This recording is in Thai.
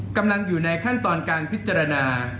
กำลังอยู่ในขั้นตอนการพิจารณา